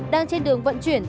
đang trên đường vận chuyển